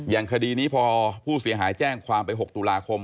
คดีนี้พอผู้เสียหายแจ้งความไป๖ตุลาคม